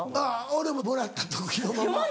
俺ももらった時のまんま。